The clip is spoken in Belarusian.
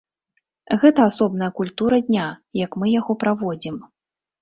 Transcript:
Гэта асобная культура дня, як мы яго праводзім.